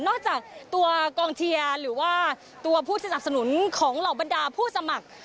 จากตัวกองเชียร์หรือว่าตัวผู้สนับสนุนของเหล่าบรรดาผู้สมัคร